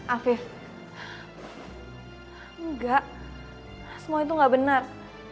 afif enggak semua itu nggak benar